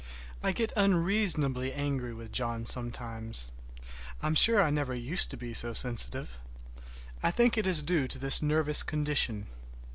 I get unreasonably angry with John sometimes. I'm sure I never used to be so sensitive. I think it is due to this nervous condition.